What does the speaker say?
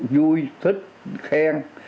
vui thích khen